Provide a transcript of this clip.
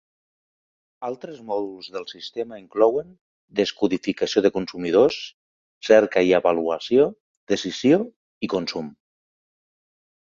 Altres mòduls del sistema inclouen, descodificació de consumidors, cerca i avaluació, decisió i consum.